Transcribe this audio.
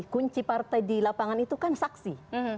kunci partai di lapangan itu kan saksi